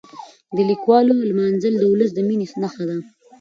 د لیکوالو لمانځل د ولس د مینې نښه ده.